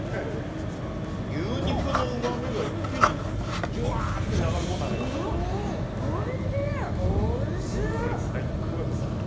牛肉のうまみが一気にじゅわーって流れ込んでくる。